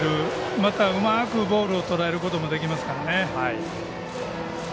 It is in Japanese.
またうまくボールを捉えることもできますからね。